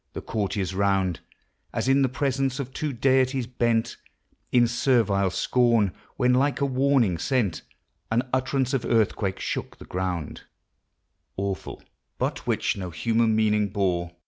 The courtiers round, As in the presence of two deities, bent In servile scorn: when, like a warning sent, An utterance of earthquake shook the ground, Awful, but which no human meaning bore.